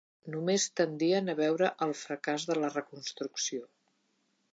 Només tendien a veure el fracàs de la Reconstrucció.